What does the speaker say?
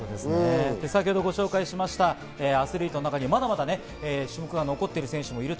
先ほどご紹介しましたアスリートの中に、まだまだ種目が残っている選手もいます。